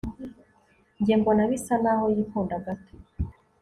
Njye mbona bisa naho yikunda gato